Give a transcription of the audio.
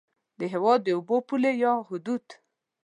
د هېواد د اوبو پولې یا حدود